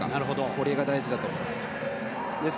これが大事だと思います。